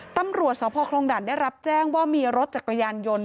ตำรวจสพคลองด่านได้รับแจ้งว่ามีรถจักรยานยนต์